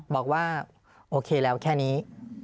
บอกว่าโอเคแล้วแค่นี้